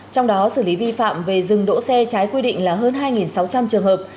trong đó xử lý vi phạm về dừng đỗ xe trái quy định là hơn hai sáu trăm linh trường hợp